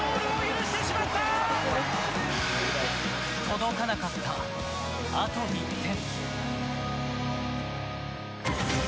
届かなかった、あと１点。